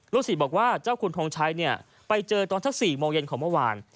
ศิษย์บอกว่าเจ้าคุณทงชัยไปเจอตอนสัก๔โมงเย็นของเมื่อวาน